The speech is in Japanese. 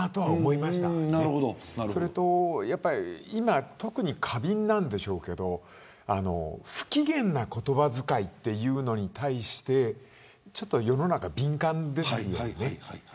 それと今特に過敏なんでしょうけれど不機嫌な言葉遣いというのに対して世の中、敏感ですよね。